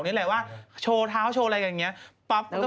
โอลี่คัมรี่ยากที่ใครจะตามทันโอลี่คัมรี่ยากที่ใครจะตามทัน